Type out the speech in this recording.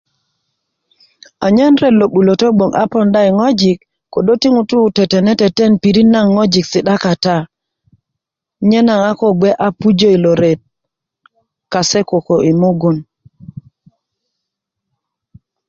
anyen ret lo 'bulötö lo a poonda yi ŋojik ködö ti yi' tetene teten pirit nagoŋ ŋojik si'da kata nye na a ko gbe a pujö I lo ret kase Koko I mugun